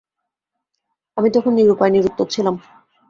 আমি তখন নিরুপায় নিরুত্তর ছিলাম।